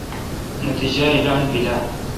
نتییجہ اعلان بیل آ؟